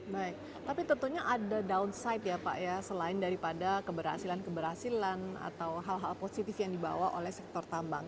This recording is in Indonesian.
baik tapi tentunya ada downside ya pak ya selain daripada keberhasilan keberhasilan atau hal hal positif yang dibawa oleh sektor tambang